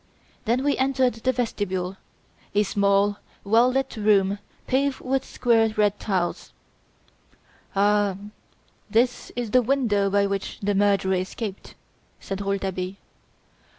Then we entered the vestibule, a small, well lit room paved with square red tiles. "Ah! This is the window by which the murderer escaped!" said Rouletabille.